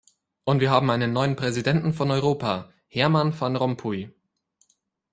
Und wir haben einen neuen Präsidenten von Europa, Herman Van Rompuy.